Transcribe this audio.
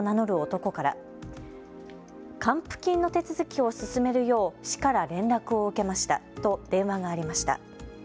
男から還付金の手続きを進めるよう市から連絡を受けましたと電話がありました。